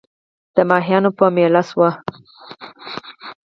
د ماهیانو په مېله سوو